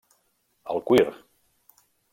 El cuir.